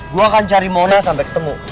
gua akan cari mona sampai ketemu